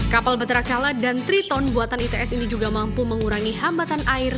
kapal betara kala dan triton buatan its ini juga mampu mengurangi hambatan air